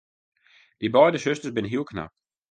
Dy beide susters binne heel knap.